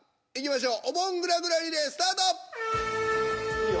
いいよ。